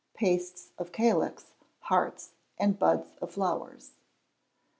Pastes of Calyx, Hearts, and Buds of Flowers.